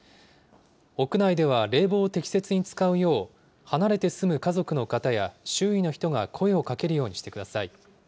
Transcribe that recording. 屋内では冷房を適切に使うよう、離れて住む家族の方や周囲の人が声をかけるようにしてください。